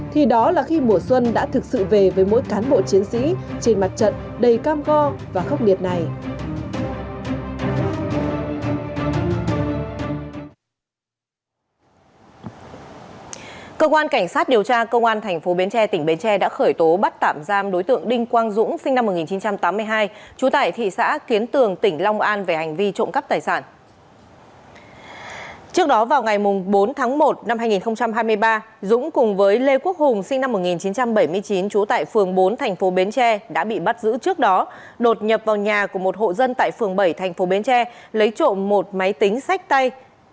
thì đó là khi mùa xuân đã thực sự về với mỗi cán bộ chiến sĩ trên mặt trận đầy cam go và khóc nghiệt này